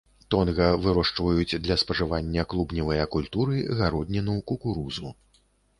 Тонга вырошчваюць для спажывання клубневыя культуры, гародніну, кукурузу.